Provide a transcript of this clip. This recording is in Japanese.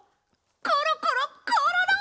コロコロコロロ！